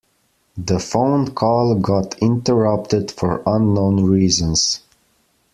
The phone call got interrupted for unknown reasons.